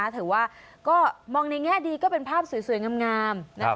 ถือว่าก็มองในแง่ดีก็เป็นภาพสวยงาม